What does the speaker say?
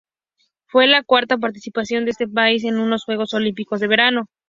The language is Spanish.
Fue la cuarta participación de ese país en unos Juegos Olímpicos de verano.